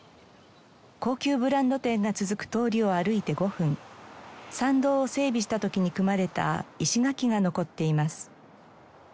高級ブランド店が続く通りを歩いて５分参道を整備した時に組まれた石垣が残っています。